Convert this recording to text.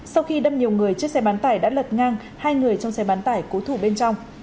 sau khi đâm nhiều người chiếc xe bán tải đã lật ngang hai người trong xe bán tải cố thủ bên trong